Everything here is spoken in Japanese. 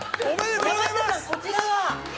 山下さん、こちらは？